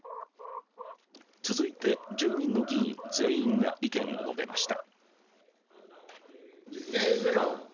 続いて１０人の議員全員が意見を述べました。